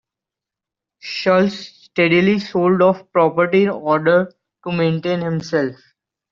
Shultz steadily sold off property in order to maintain himself.